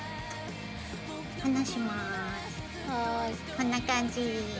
こんな感じ。